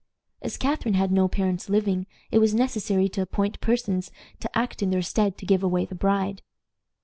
As Catharine had no parents living, it was necessary to appoint persons to act in their stead "to give away the bride."